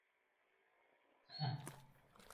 정당해산의 제소